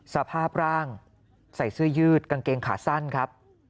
สภาพร่างใส่เสื้อยืดกางเกงขาสั้นครับ